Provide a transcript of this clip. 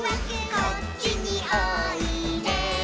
「こっちにおいで」